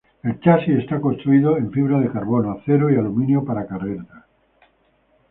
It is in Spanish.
El chasis está construido en fibra de carbono, acero y aluminio para carreras.